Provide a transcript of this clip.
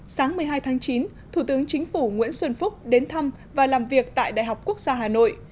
sáng một mươi hai tháng chín thủ tướng chính phủ nguyễn xuân phúc đến thăm và làm việc tại đại học quốc gia hà nội